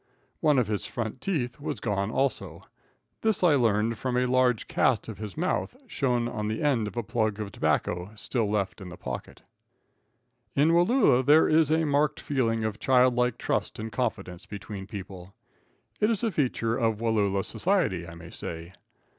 One of his front teeth was gone, also. This I learned from a large cast of his mouth, shown on the end of a plug of tobacco still left in the pocket. [Illustration: IN SUSPENSE.] In Wallula there is a marked feeling of childlike trust and confidence between people. It is a feature of Wallula society, I may say.